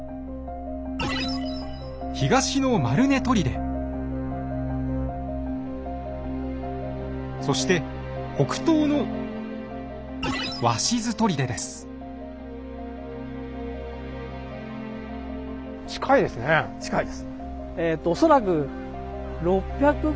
東のそして北東の近いです。